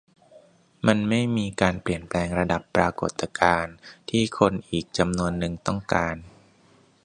มันไม่มีการเปลี่ยนแปลงระดับปรากฏการณ์ที่คนอีกจำนวนนึงต้องการ